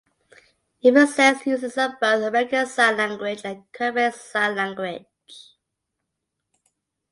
It represents users of both American Sign Language and Quebec Sign Language.